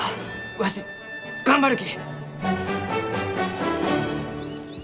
わし頑張るき！